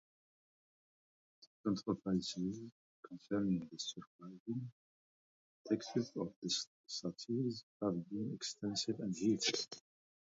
The controversies concerning the surviving texts of the Satires have been extensive and heated.